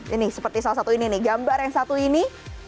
ini seperti salah satu ini nih gambar yang satu ini